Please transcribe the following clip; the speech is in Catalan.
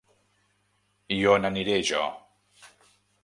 I on aniré, jo?